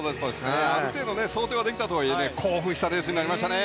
ある程度想定はできたとはいえ興奮したレースになりましたね。